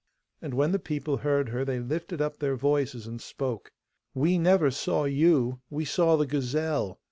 And when the people heard her they lifted up their voices and spoke: 'We never saw you, we saw the gazelle.